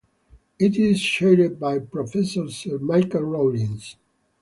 It is chaired by Professor Sir Michael Rawlins.